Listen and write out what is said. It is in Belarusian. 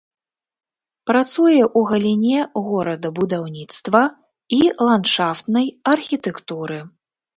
Працуе ў галіне горадабудаўніцтва і ландшафтнай архітэктуры.